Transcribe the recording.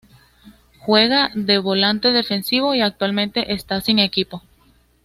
Juega de volante defensivo y actualmente está sin equipo.